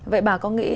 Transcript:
vậy bà có nghĩa là